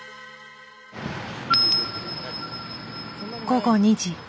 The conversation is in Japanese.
午後２時。